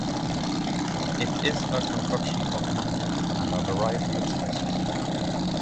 It is a concoction of mutton and a variety of spices.